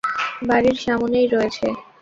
বাড়ির সামনেই রয়েছে।